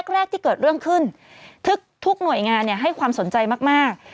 แรกที่เกิดเรื่องขึ้นทุกหน่วยงานให้ความสนใจมาก